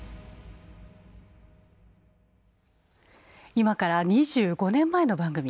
今から２５年前の番組。